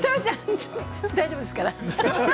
大丈夫ですから。